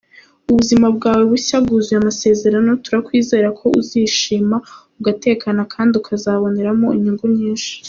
Ubuzima bwawe bushya bwuzuye amasezerano, turakwizeza ko uzishima ugatekana kandi ukazaboneramo inyungu nyinshi.